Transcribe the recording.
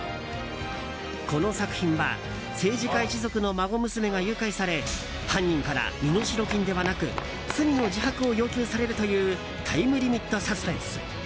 この作品は政治家一族の孫娘が誘拐され犯人から身代金ではなく罪の自白を要求されるというタイムリミットサスペンス。